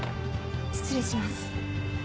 失礼します。